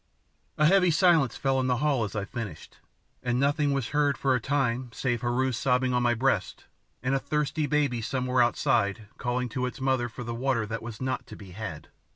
A heavy silence fell on the hall as I finished, and nothing was heard for a time save Heru sobbing on my breast and a thirsty baby somewhere outside calling to its mother for the water that was not to be had.